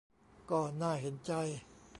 ก็ "น่าเห็นใจ"